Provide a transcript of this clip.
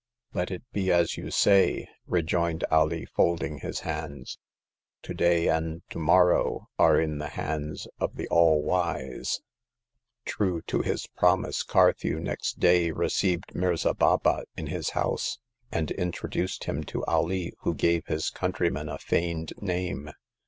Let it be as you say,'' rejoined Alee, folding his hands. "To day and to morrow are in the hands of thQ AU Wise;' The Tenth Customer. 26g True to his promise, Carthew next day re C;9ived Mirza Baba in his house, and introduced him to Alee, who gave his countryman a feigned name.